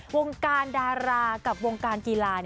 วงการดารากับวงการกีฬา